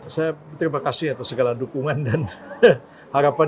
saya berterima kasih atas segala dukungan dan harapan